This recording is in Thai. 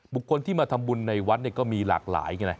บุคคลที่มาทำบุญในวัดก็มีหลากหลายไง